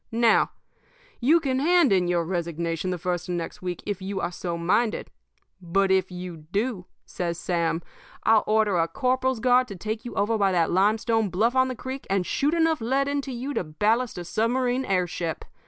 Now, you can hand in your resignation the first of next week if you are so minded. But if you do,' says Sam, 'I'll order a corporal's guard to take you over by that limestone bluff on the creek and shoot enough lead into you to ballast a submarine air ship.